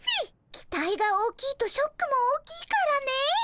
期待が大きいとショックも大きいからね。